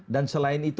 dan selain itu